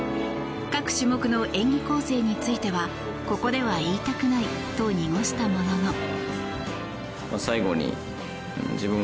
各種目の演技構成についてはここでは言いたくないと濁したものの。